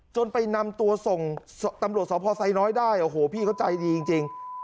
ไปนำตัวส่งตำรวจสพไซน้อยได้โอ้โหพี่เขาใจดีจริง